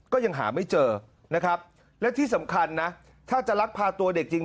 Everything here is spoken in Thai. ก็ยังหาไม่เจอนะครับและที่สำคัญนะถ้าจะลักพาตัวเด็กจริง